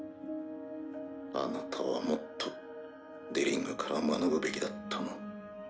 あなたはもっとデリングから学ぶべきだったな。